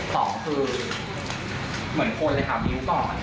สองคือเหมือนคนเลยค่ะนิ้วกอด